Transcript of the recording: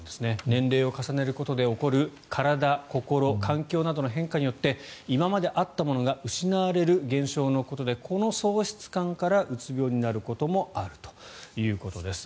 年齢を重ねることで起こる身体や心、環境の変化により今まであったものが失われる現象のことでこの喪失感からうつ病になることもあるということです。